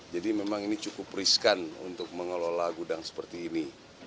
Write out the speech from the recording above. jadi memang ini cukup riskan untuk mengelola gudang seperti ini